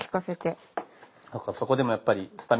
そこでもやっぱり。